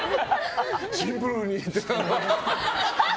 シンプルにって。